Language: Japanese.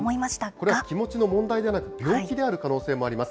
これ、気持ちの問題じゃなく、病気である可能性もあります。